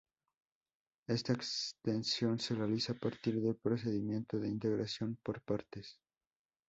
Esta extensión se realiza a partir del procedimiento de integración por partes.